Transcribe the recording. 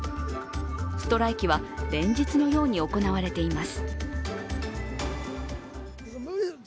ストライキは連日のように行われています。